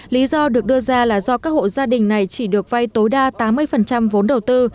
lý do được đưa ra là do các hộ gia đình này chỉ được vay tối đa tám mươi vốn đầu tư